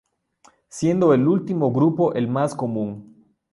Siendo el último grupo el más común.